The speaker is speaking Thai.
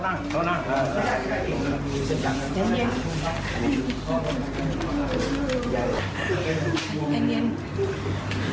เขาพิชาแกแต่ก่อนเพื่อนแม่หน่อย